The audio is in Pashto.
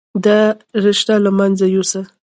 دا رشته له منځه يوسه.